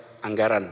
sumber daya anggaran